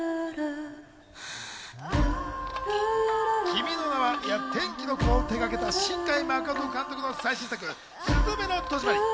『君の名は。』や『天気の子』を手がけた新海誠監督の最新作『すずめの戸締まり』。